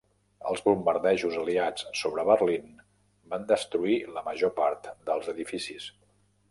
Els bombardejos aliats sobre Berlín van destruir la major part dels edificis.